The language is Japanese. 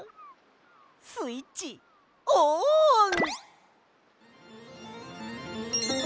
スイッチオン！